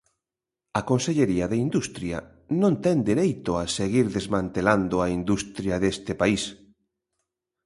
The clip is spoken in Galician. A Consellería de Industria non ten dereito a seguir desmantelando a industria deste país.